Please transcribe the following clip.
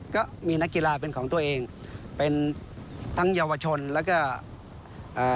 ก็มีนักกีฬาเป็นของตัวเองเป็นทั้งเยาวชนแล้วก็เอ่อ